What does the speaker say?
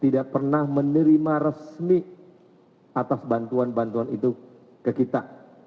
tidak pernah menerima resmi atas bantuan bantuan itu ke kita